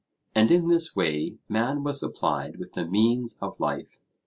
And in this way man was supplied with the means of life.